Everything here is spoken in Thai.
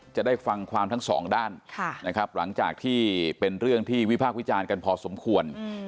จะได้ฟังความทั้งสองด้านนะครับหลังจากที่เป็นเรื่องที่วิพากษ์วิจารณ์กันพอสมควร